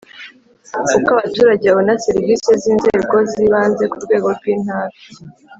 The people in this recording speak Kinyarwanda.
Uko abaturage babona serivisi z inzego zibanze ku rwego rw intara